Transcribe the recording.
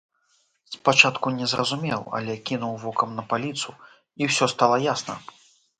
Спачатку не зразумеў, але кінуў вокам на паліцу, і ўсё стала ясна.